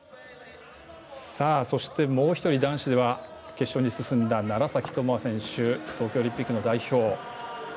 そして、もう１人男子では決勝に進んだ楢崎智亜選手東京オリンピックの代表。